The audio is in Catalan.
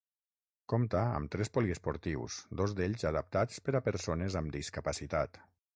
Compta amb tres poliesportius dos d'ells adaptats per a persones amb discapacitat.